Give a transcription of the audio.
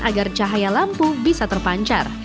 agar cahaya lampu bisa terpancar